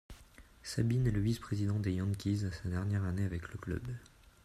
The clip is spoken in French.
Sabean est le vice-président des Yankees à sa dernière année avec le club.